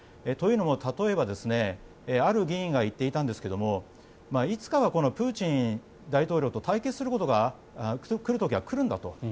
というのも例えばある議員が言っていたんですがいつかはプーチン大統領と対決する時が来る時は来るんだと。